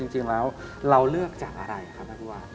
จริงแล้วเราเลือกจากอะไรคะนักหวาง